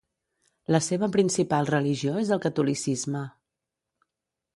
La seva principal religió és el catolicisme.